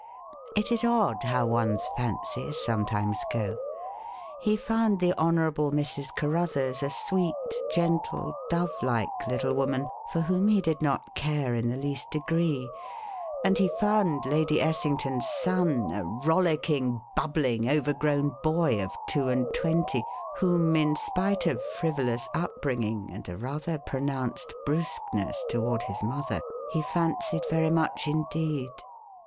It is odd how one's fancies sometimes go. He found the Honourable Mrs. Carruthers a sweet, gentle, dovelike little woman for whom he did not care in the least degree, and he found Lady Essington's son a rollicking, bubbling, overgrown boy of two and twenty, whom, in spite of frivolous upbringing and a rather pronounced brusqueness toward his mother, he fancied very much indeed.